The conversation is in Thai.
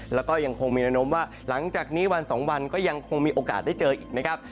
แล้วก็ยังคงมีแนวโน้มว่าหลังจากนี้วัน๒วันก็ยังคงมีโอกาสได้เจออีกนะครับ